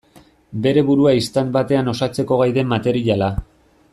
Bere burua istant batean osatzeko gai den materiala.